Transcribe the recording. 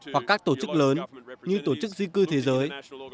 hoặc các tổ chức lớn như tổ chức di cư thế giới